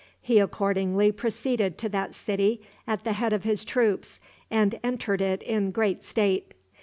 He accordingly proceeded to that city at the head of his troops, and entered it in great state.